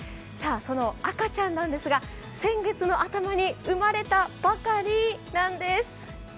その赤ちゃんなんですが、先月頭に産まれたばかりなんです。